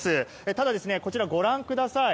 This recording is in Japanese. ただ、こちらご覧ください。